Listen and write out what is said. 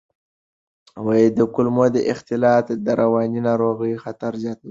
د کولمو اختلالات د رواني ناروغیو خطر زیاتوي.